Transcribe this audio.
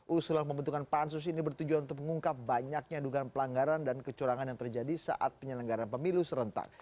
usulan pembentukan pansus ini bertujuan untuk mengungkap banyaknya dugaan pelanggaran dan kecurangan yang terjadi saat penyelenggaran pemilu serentak